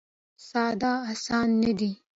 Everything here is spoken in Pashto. ساده اسانه نه دی.